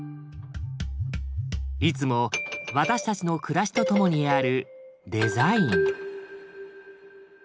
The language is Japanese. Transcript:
いつも私たちの暮らしとともにあるデザイン。